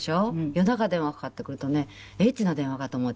夜中電話かかってくるとねエッチな電話かと思っちゃうの。